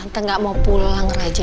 anda gak mau pulang raja